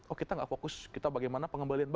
oh kita nggak fokus kita bagaimana pengembaliannya